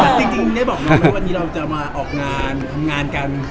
จริงได้บอกไหมว่าวันนี้เราจะมาออกงานทำงานกัน